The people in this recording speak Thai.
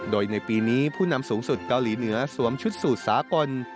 โดยในปีนี้ผู้นำสูงสุดเกาหลีเหนือสวมชุดสูตรสากล